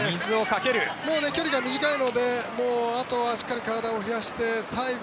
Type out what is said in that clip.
もう距離が短いのであとはしっかり体を冷やして最後